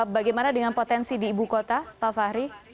bagaimana dengan potensi di ibu kota pak fahri